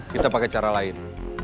kita pakai cara lain